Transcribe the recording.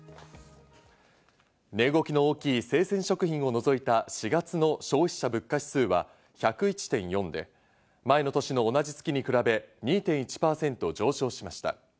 値動きの大きい生鮮食品を除いた４月の消費者物価指数は１０１．４で、前の年の同じ月に比べ、２．１％上昇しました。